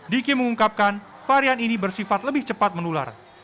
diki mengungkapkan varian ini bersifat lebih cepat menular